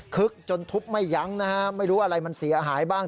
ึกจนทุบไม่ยั้งนะฮะไม่รู้อะไรมันเสียหายบ้าง